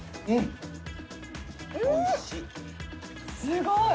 すごい。